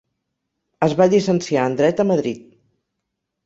Es va llicenciar en Dret a Madrid.